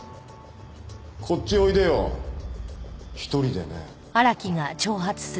こっちおいでよ１人でね。